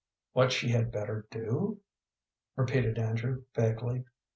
"What she had better do?" repeated Andrew, vaguely.